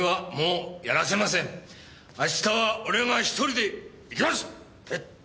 明日は俺が１人で行きます！